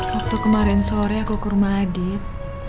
waktu kemarin sore aku ke rumah adit